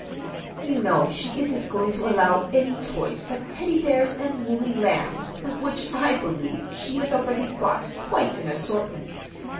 "You know she isn't going to allow any toys but Teddy bears and woolly lambs, of which, I believe, she has already bought quite an assortment.